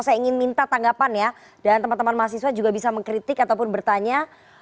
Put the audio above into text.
saya ingin minta tanggapan ya dan teman teman mahasiswa juga bisa mengkritik ataupun bertanya